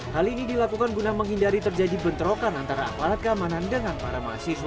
hal ini dilakukan guna menghindari terjadi bentrokan antara aparat keamanan dengan para mahasiswa